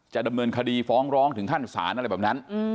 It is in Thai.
ดำเนินคดีฟ้องร้องถึงขั้นศาลอะไรแบบนั้น